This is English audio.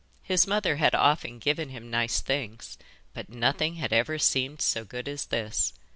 His mother had often given him nice things, but nothing had ever seemed so good as this.